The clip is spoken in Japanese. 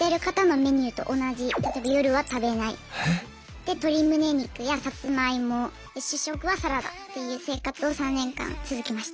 で鶏むね肉やさつまいも主食はサラダっていう生活を３年間続けました。